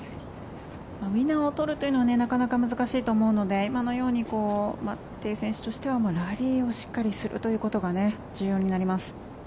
ウィナーを取るというのはなかなか難しいと思うので今のようにテイ選手としてはラリーをしっかりするということが重要になります。